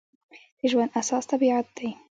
د ژوند اساس طبیعت دی.